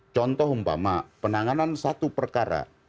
contoh umpama penanganan satu perkara